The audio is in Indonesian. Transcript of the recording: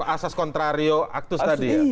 asas kontrario aktus tadi ya